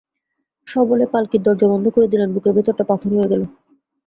সবলে পালকির দরজা বন্ধ করে দিলেন, বুকের ভিতরটা পাথর হয়ে গেল।